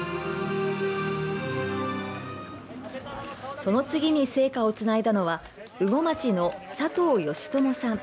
その次に聖火をつないだのは羽後町の佐藤良友さん。